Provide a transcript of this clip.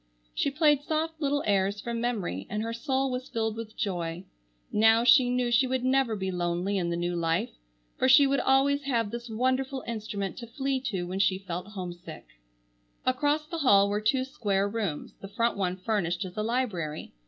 She played soft little airs from memory, and her soul was filled with joy. Now she knew she would never be lonely in the new life, for she would always have this wonderful instrument to flee to when she felt homesick. Across the hall were two square rooms, the front one furnished as a library.